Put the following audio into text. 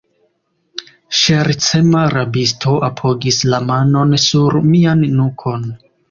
Ŝercema rabisto apogis la manon sur mian nukon.